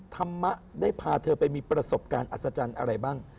ธรรมะได้พาเธอไปมีประสบการณ์อัศจรรย์อะไรบ้าง